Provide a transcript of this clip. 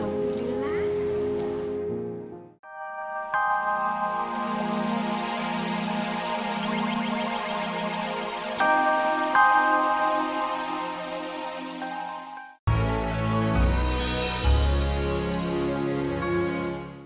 sampai ketemu lagi